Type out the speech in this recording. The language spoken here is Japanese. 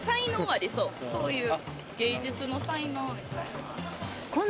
そういう。